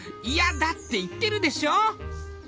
嫌だって言ってるでしょ！」。